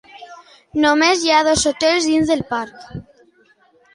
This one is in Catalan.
Només hi ha dos hotels dins del parc.